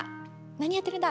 何やってるんだ！」